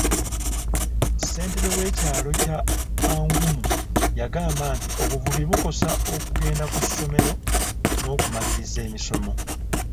Ssentebe w'ekyalo kya Angumu yagamba nti obuvubi bukosa okugenda ku ssomero n'okumaliriza emisomo.